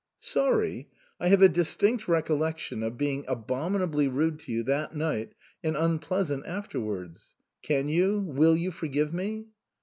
" Sorry ! I have a distinct recollection of be ing abominably rude to you that night, and unpleasant afterwards. Can you, will you for give me